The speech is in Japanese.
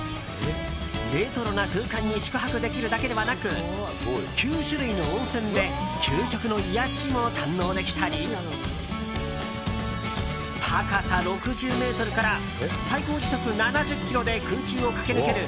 レトロな空間に宿泊できるだけではなく９種類の温泉で究極の癒やしも堪能できたり高さ６０ｍから最高時速７０キロで空中を駆け抜ける